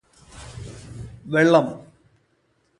വെള്ളം